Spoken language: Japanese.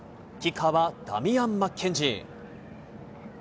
キッカーはダミアン・マッケンジー。